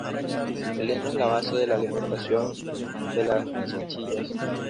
El heno es la base de la alimentación de las chinchillas.